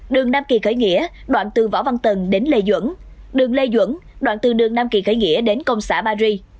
đường nam kỳ khởi nghĩa đoạn từ võ văn tần đến lê duẩn đường lê duẩn đoạn từ đường nam kỳ khởi nghĩa đến công xã ba ri